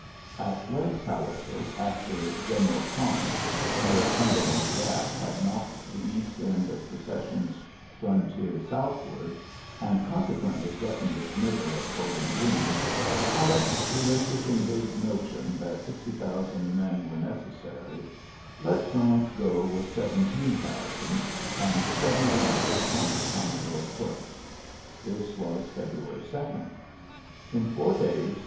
At length, however, after General Thomas near Cumberland 11 uiciry woLi 56 ULYSSES S. GEANT Gap liad knocked the east end of SeoQ^_ sion's frontier southward, and oons^_ qnently threatened its middle at Bowli^^ Green, Halleck, relinquishing his notioj? that sixty thousand men were necessary, let Grant go with seventeen thousand, and seven gunboats under Commodore Foote, This was February 2. In four days.